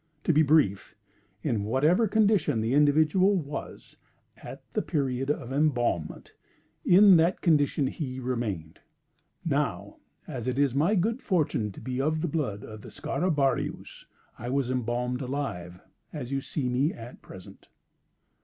To be brief, in whatever condition the individual was, at the period of embalmment, in that condition he remained. Now, as it is my good fortune to be of the blood of the Scarabaeus, I was embalmed alive, as you see me at present."